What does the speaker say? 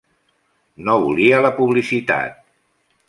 No volia la publicitat.